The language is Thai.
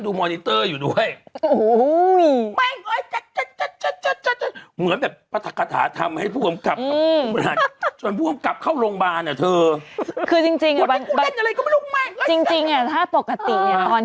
รู้ไม่แต่เขาสังเกตว่าน้องเขาตั้งใจนะ